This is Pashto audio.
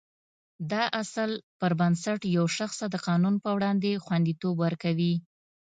دا اصل پر بنسټ یو شخص ته د قانون په وړاندې خوندیتوب ورکوي.